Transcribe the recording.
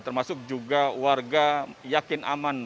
termasuk juga warga yakin aman